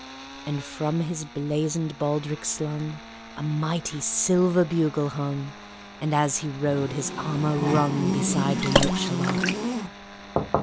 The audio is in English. And, from his blazoned baldric slung, A mighty silver bugle hung, And, as he rode, his armour rung, Beside remote Shalott.